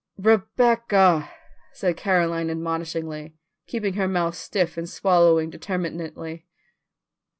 "Rebecca," said Caroline admonishingly, keeping her mouth stiff and swallowing determinately.